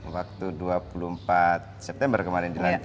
waktu dua puluh empat september kemarin